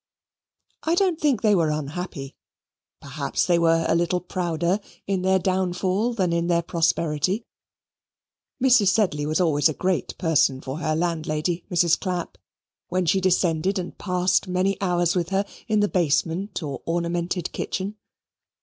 I don't think they were unhappy. Perhaps they were a little prouder in their downfall than in their prosperity. Mrs. Sedley was always a great person for her landlady, Mrs. Clapp, when she descended and passed many hours with her in the basement or ornamented kitchen.